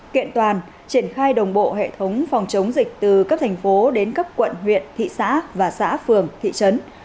kiện toàn triển khai đồng bộ hệ thống phòng chống dịch từ cấp thành phố đến cấp quận huyện thị xã và xã phường thị trấn